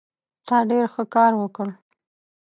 ته ډېر ښه کار وکړ.